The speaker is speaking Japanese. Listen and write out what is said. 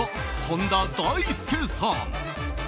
本田大助さん。